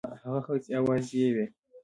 هغه هسي آوازې وي.